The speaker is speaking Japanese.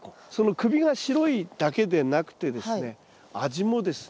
首が白いだけでなくてですね味もですね